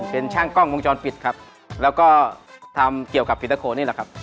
เป็นช่างกล้องวงจรปิดครับแล้วก็ทำเกี่ยวกับผีตะโคนี่แหละครับ